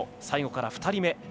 最後から２人目。